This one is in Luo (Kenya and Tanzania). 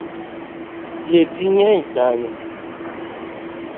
Lepi ng’eny kanyo